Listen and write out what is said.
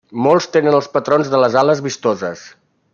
Molts tenen els patrons de les ales vistoses.